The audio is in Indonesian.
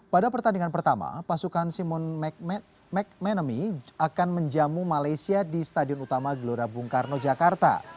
pada pertandingan pertama pasukan simon mcmanamy akan menjamu malaysia di stadion utama gelora bung karno jakarta